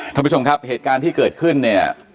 ท่านผู้ชมครับเหตุการณ์ที่เกิดขึ้นเนี่ย